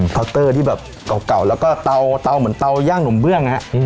เตอร์ที่แบบเก่าแล้วก็เตาเหมือนเตาย่างหนมเบื้อง